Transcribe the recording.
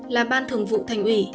là ban thường vụ thành ủy